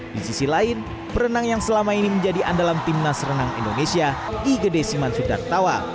di sisi lain perenang yang selama ini menjadi andalan timnas renang indonesia igede siman sudartawa